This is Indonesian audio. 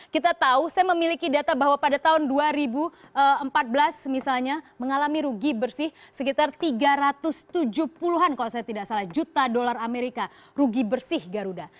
kita tahu saya memiliki data bahwa pada tahun dua ribu empat belas misalnya mengalami rugi bersih sekitar tiga ratus tujuh puluh an kalau saya tidak salah juta dolar amerika rugi bersih garuda